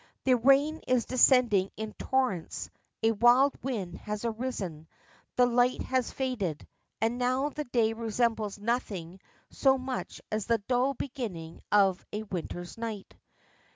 The rain is descending in torrents, a wild wind has arisen. The light has faded, and now the day resembles nothing so much as the dull beginning of a winter's night.